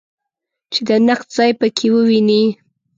چې د نقد ځای په کې وویني.